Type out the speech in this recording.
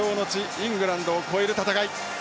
イングランドを超える戦い。